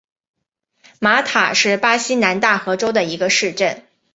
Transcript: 马塔是巴西南大河州的一个市镇。